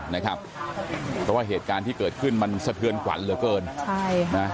เพราะว่าเหตุการณ์ที่เกิดขึ้นมันสะเทือนกวันเหลือเกิน